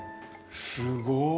すごい。